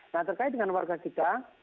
nah terkait dengan warga kita